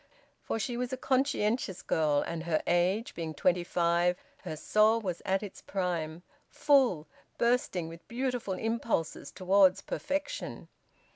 For she was a conscientious girl, and her age being twenty five her soul was at its prime, full, bursting with beautiful impulses towards perfection.